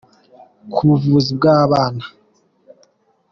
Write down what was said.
ku buvuzi bw'abana.